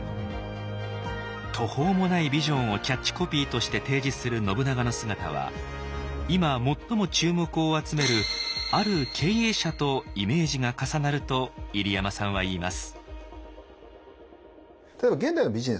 途方もないビジョンをキャッチコピーとして提示する信長の姿は今最も注目を集めるある経営者とイメージが重なると入山さんは言います。